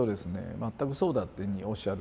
「全くそうだ」っていうふうにおっしゃる。